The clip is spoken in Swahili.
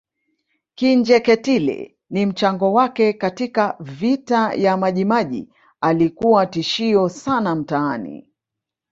Kinjeketile na mchango wake katika Vita ya Majimaji Alikuwa tishio sana mtaani